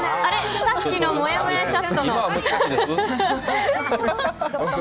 さっきのもやもやチャットの。